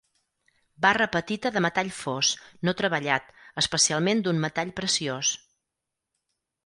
Barra petita de metall fos, no treballat, especialment d'un metall preciós.